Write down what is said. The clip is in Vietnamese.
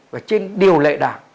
và trên điều lệ đảng